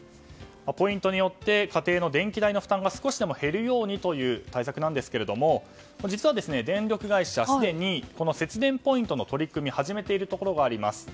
ポイントによって家庭の電気代の負担が少しでも減るようにという対策ですが実は電力会社すでに節電ポイントの取り組みを始めているところがあります。